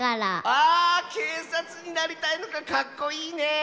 ああけいさつになりたいとかかっこいいね！